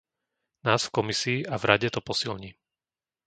Nás v Komisii a v Rade to posilní.